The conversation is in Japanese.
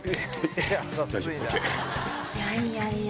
いやいやいや。